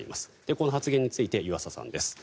この発言について湯浅さんです。